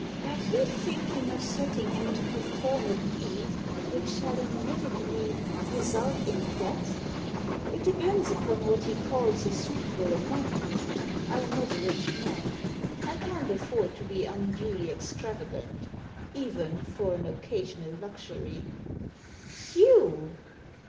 "Are you thinking of setting him to perform a deed which shall inevitably result in death?" Digitized by VjOOQIC THE ASSASSIN 171 '' It depends upon what he calls a suitable amount I am not a rich man. I can't afford to be unduly extravagant— even for an occasional luxury." "Hugh!"